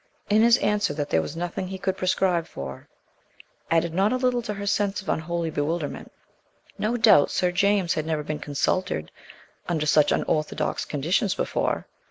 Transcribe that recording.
And his answer that there was "nothing he could prescribe for" added not a little to her sense of unholy bewilderment. No doubt Sir James had never been "consulted" under such unorthodox conditions before.